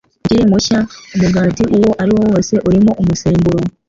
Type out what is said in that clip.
ukiri mushya, umugati uwo ariwo wose urimo umusemburo